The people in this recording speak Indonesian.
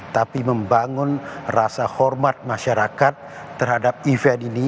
tapi membangun rasa hormat masyarakat terhadap event ini